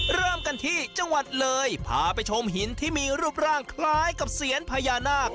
เริ่มกันที่จังหวัดเลยพาไปชมหินที่มีรูปร่างคล้ายกับเซียนพญานาค